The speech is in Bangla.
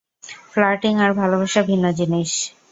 ফ্লার্টিং আর ভালোবাসা ভিন্ন জিনিস।